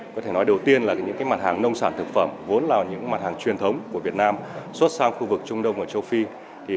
có thể nói đầu tiên là những mặt hàng nông sản thực phẩm vốn là những mặt hàng truyền thống của việt nam xuất sang khu vực trung đông và châu phi